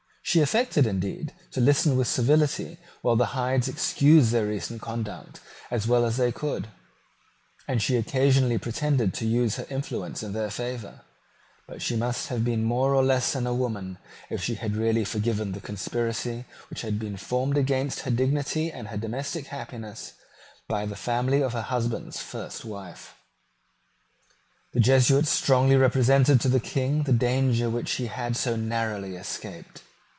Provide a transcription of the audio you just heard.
She affected, indeed, to listen with civility while the Hydes excused their recent conduct as well as they could; and she occasionally pretended to use her influence in their favour: but she must have been more or less than woman if she had really forgiven the conspiracy which had been formed against her dignity and her domestic happiness by the family of her husband's first wife. The Jesuits strongly represented to the King the danger which he had so narrowly escaped.